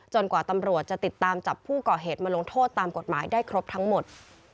กว่าตำรวจจะติดตามจับผู้ก่อเหตุมาลงโทษตามกฎหมายได้ครบทั้งหมด